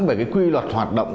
về cái quy luật hoạt động